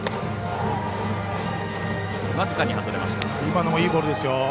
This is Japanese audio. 今のも、いいボールですよ。